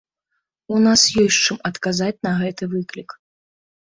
У нас ёсць чым адказаць на гэты выклік.